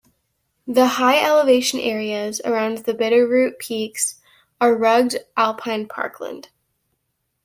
The high-elevation areas around the Bitterroot peaks are rugged alpine parkland.